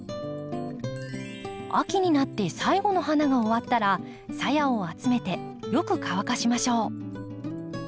秋になって最後の花が終わったらさやを集めてよく乾かしましょう。